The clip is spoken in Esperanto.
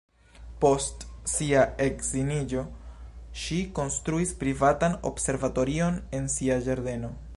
Post sia edziniĝo, ŝi konstruis privatan observatorion en sia ĝardeno.